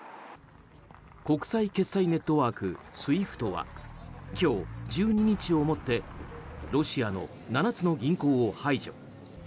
国際決済ネットワーク・ＳＷＩＦＴは今日１２日をもってロシアの７つの銀行を排除。